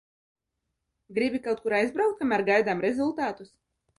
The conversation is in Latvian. Gribi kaut kur aizbraukt, kamēr gaidām rezultātus?